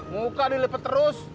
muka dilipet terus